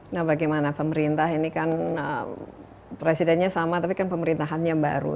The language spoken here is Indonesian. nah bagaimana pemerintah ini kan presidennya sama tapi kan pemerintahannya baru